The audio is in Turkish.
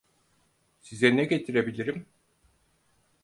Size ne getirebilirim?